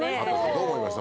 どう思いました？